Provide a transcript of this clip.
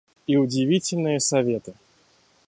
И удивительные советы.